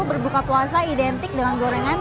berbuka puasa identik dengan gorengan